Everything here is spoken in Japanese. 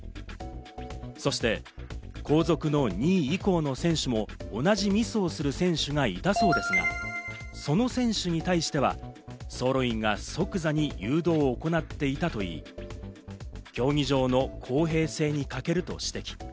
そして、後続の２位以降の選手も同じミスをする選手がいたそうですが、その選手に対しては走路員が即座に誘導を行っていたとい言い、競技上の公平性に欠けると指摘。